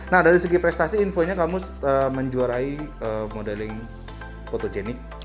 nah dari segi prestasi infonya kamu menjuarai modeling photogenik